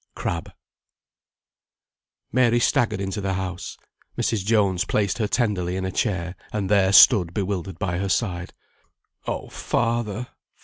CRABBE. Mary staggered into the house. Mrs. Jones placed her tenderly in a chair, and there stood bewildered by her side. "Oh, father!